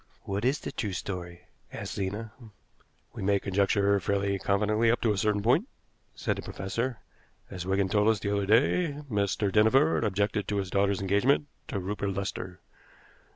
"What is the true story?" asked Zena. "We may conjecture fairly confidently up to a certain point," said the professor. "As Wigan told us the other day, Mr. Dinneford objected to his daughter's engagement to Rupert Lester.